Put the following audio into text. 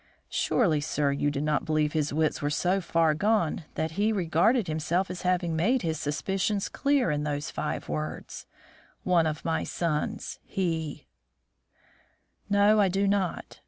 Surely, sir, you do not believe his wits were so far gone that he regarded himself as having made his suspicions clear in those five words: one of my sons he?" "No, I do not.